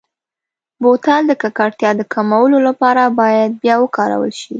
بوتل د ککړتیا د کمولو لپاره باید بیا وکارول شي.